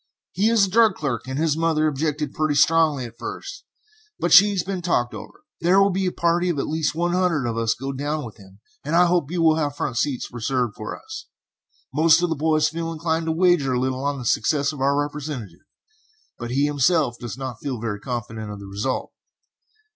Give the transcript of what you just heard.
He is a drug clerk, and his mother objected pretty strongly at first, but she has been talked over. There will be a party of at least one hundred of us go down with him, and I hope you will have front seats reserved for us. Most of the boys feel inclined to wager a little on the success of our representative, but he himself does not feel very confident of the result.